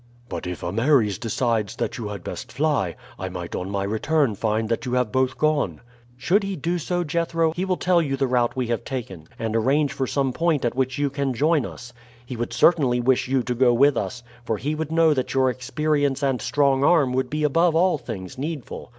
"But if Ameres decides that you had best fly, I might on my return find that you have both gone." "Should he do so, Jethro, he will tell you the route we have taken, and arrange for some point at which you can join us. He would certainly wish you to go with us, for he would know that your experience and strong arm would be above all things needful."